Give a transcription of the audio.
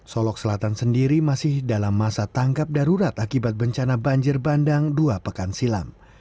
solok selatan sendiri masih dalam masa tangkap darurat akibat bencana banjir bandang dua pekan silam